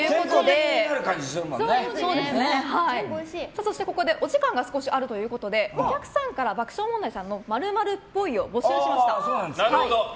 そしてここでお時間が少しあるということでお客さんから爆笑問題さんの○○っぽいを募集しました。